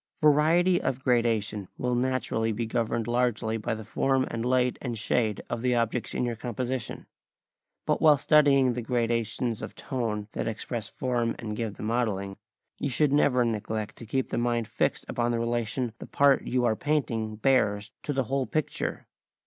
] Variety of gradation will naturally be governed largely by the form and light and shade of the objects in your composition. But while studying the gradations of tone that express form and give the modelling, you should never neglect to keep the mind fixed upon the relation the part you are painting bears to the whole picture.